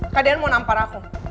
kak dean mau nampar aku